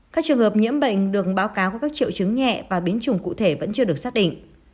các trường hợp nhiễm bệnh đường báo cáo với các triệu chứng nhẹ và biến chủng cụ thể vẫn chưa được xác định